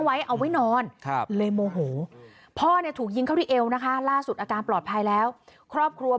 สาเหตุที่น้องยิงพ่อยางที่หวันบอกคุณคุณสมมุตัว